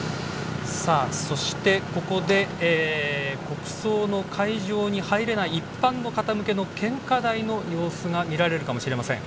そして、ここで国葬の会場には入れない一般の方向けの献花台の様子が見られるかもしれません。